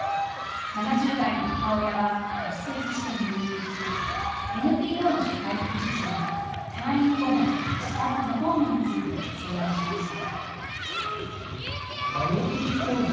７０代の母親が骨折して入院しＮＰＯの社会福祉士に退院後の自宅リフォームについて相談しました。